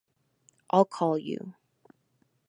I’ll call you.